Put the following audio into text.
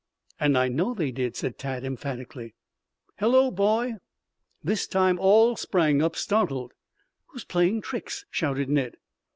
"And I know they did," said Tad emphatically. "Hello, boy!" This time all sprang up, startled. "Who's playing tricks?" shouted Ned.